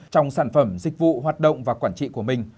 trong sản phẩm dịch vụ hoạt động và quản trị của mình